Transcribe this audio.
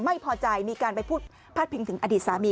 ไม่พอใจมีการไปพูดพาดพิงถึงอดีตสามี